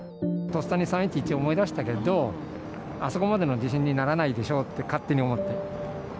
とっさに３・１１を思い出したけどあそこまでの地震にならないでしょうって勝手に思って。